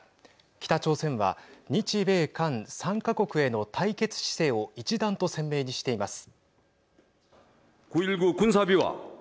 北朝鮮は日米韓３か国への対決姿勢を一段と鮮明にしています。